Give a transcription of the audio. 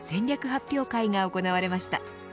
発表会が行われました。